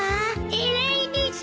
偉いです。